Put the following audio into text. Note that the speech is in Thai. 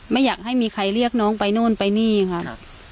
ไม่อยากให้มีใครเรียกน้องไปโน่นไปนี่ค่ะ